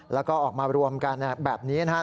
แล้วก็ออกมารวมกันแบบนี้นะครับ